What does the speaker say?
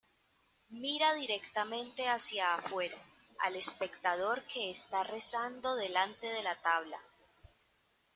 Mira directamente hacia afuera, al espectador que está rezando delante de la tabla.